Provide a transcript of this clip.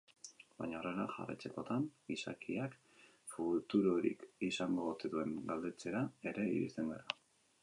Baina horrela jarraitzekotan gizakiak futurorik izango ote duen galdetzera ere iristen gara.